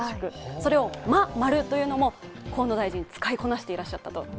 それを「ま」というのも河野大臣、使いこなしていらっしゃったと。